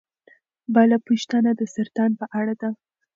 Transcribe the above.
بله پوښتنه د سرطان په اړه ده.